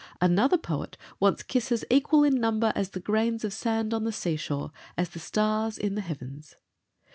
Another poet wants kisses equal in number as the grains of sand on the seashore, as the stars in the heavens.